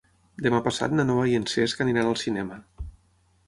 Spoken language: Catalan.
Demà passat na Noa i en Cesc aniran al cinema.